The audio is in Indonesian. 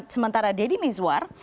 sementara dedy mizwar